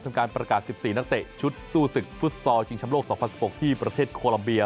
การประกาศ๑๔นักเตะชุดสู้ศึกฟุตซอลชิงชำโลก๒๐๑๖ที่ประเทศโคลัมเบีย